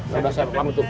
ya udah saya pelan betul